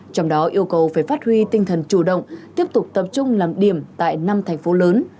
trong đó yêu cầu phải phát huy tinh thần chủ động tiếp tục tập trung làm điểm tại năm thành phố lớn